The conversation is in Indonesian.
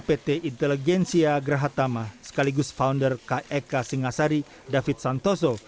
pt inteligensia gerhatama sekaligus founder kek singasari david santoso